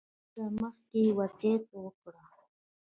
له مرګه مخکې یې وصیت وکړ.